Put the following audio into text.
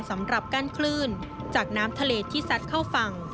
สำหรับกั้นคลื่นจากน้ำทะเลที่ซัดเข้าฝั่ง